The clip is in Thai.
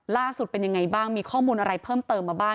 ล่าสุดเป็นยังไงบ้างมีข้อมูลอะไรเพิ่มเติมมาบ้าง